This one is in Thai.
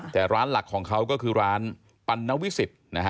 แต่ร้านหลักของเขาก็คือร้านปัณวิสิตนะฮะ